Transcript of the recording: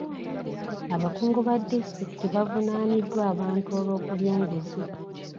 Abakungu ba disitulikiti bavuunaaniddwa abantu olw'okulya enguzi.